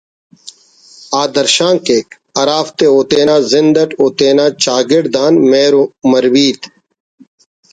آ درشان کیک ہرافتے او تینا زند اٹ و تینا چاگڑد آن مہر و مریبت